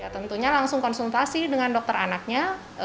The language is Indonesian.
tentunya langsung konsultasi dengan dokter anaknya